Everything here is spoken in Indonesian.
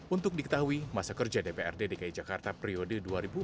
untuk diketahui masa kerja dprd dki jakarta periode dua ribu empat belas dua ribu sembilan belas